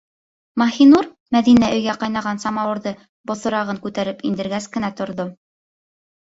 Маһинур Мәҙинә өйгә ҡайнаған самауырҙы боҫорагып күтәреп индергәс кенә торҙо: